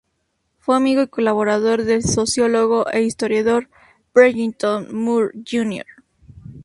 Fue amigo y colaborador del sociólogo e historiador Barrington Moore Jr.